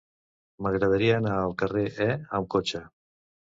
M'agradaria anar al carrer E amb cotxe.